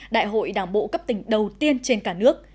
đại hội đảng bộ cấp tỉnh đầu tiên trên cả nước